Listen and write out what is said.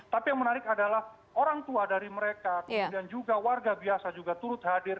tapi yang menarik adalah orang tua dari mereka kemudian juga warga biasa juga turut hadir